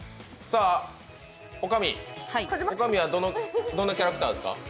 おかみはどんなキャラクターですか？